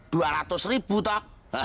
dua ratus ribu tau